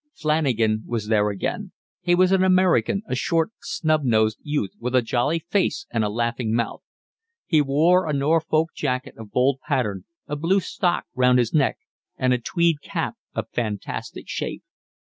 Flanagan was there again: he was an American, a short, snub nosed youth with a jolly face and a laughing mouth. He wore a Norfolk jacket of bold pattern, a blue stock round his neck, and a tweed cap of fantastic shape.